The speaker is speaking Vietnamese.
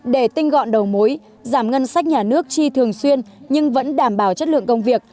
để tinh gọn đầu mối giảm ngân sách nhà nước chi thường xuyên nhưng vẫn đảm bảo chất lượng công việc